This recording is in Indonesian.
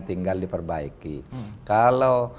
tinggal diperbaiki kalau